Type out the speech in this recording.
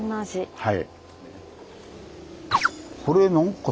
はい。